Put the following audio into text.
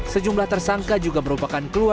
sejumlah tersangka juga merupakan keluarga